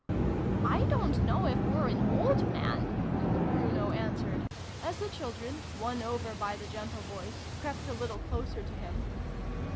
" I don't know if oo're an old man," Bruno answered, as the children, won over by the gentle voice, crept a little closer to him.